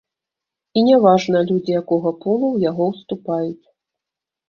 І не важна, людзі якога полу ў яго ўступаюць.